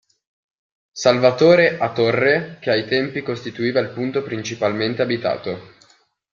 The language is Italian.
Salvatore a torre, che ai tempi costituiva il punto principalmente abitato.